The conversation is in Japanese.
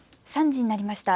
３時になりました。